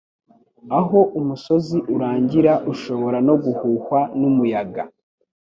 aho umusozi urangira ushobora no guhuhwa n'umuyaga